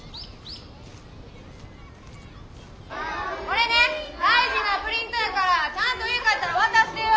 これね大事なプリントやからちゃんと家帰ったら渡してよ。